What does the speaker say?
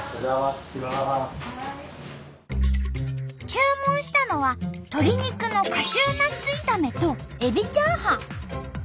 注文したのは鶏肉のカシューナッツ炒めとエビチャーハン。